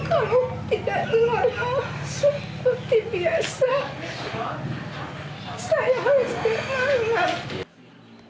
kondisi pasien yang membaik menjelaskan keadaan kondisi pasien yang tersebut